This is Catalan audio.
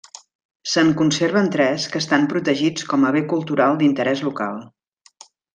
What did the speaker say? Se'n conserven tres que estan protegits com a bé cultural d'interès local.